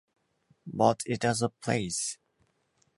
But it has a place.